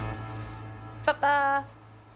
パパ！